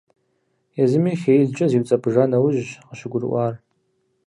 Езыми хеилъкӀэ зиуцӀэпӀыжа нэужьщ къыщыгурыӀуар.